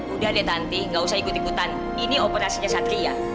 udah deh nanti gak usah ikut ikutan ini operasinya satria